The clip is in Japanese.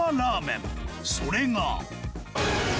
それが